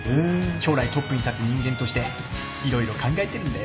将来トップに立つ人間として色々考えてるんだよ。